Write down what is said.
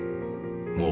もう